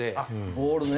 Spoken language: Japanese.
ボールね。